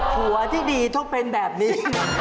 หัวที่ดีทั่วเป็นแบบนี้